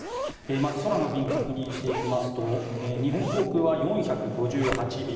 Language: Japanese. まず空の便、確認していきますと日本航空は４５８便